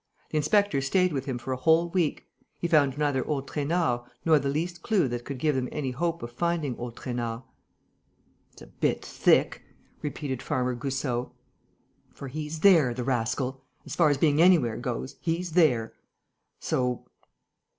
The inspector stayed with him for a whole week. He found neither old Trainard nor the least clue that could give them any hope of finding old Trainard. "It's a bit thick!" repeated Farmer Goussot. "For he's there, the rascal! As far as being anywhere goes, he's there. So...."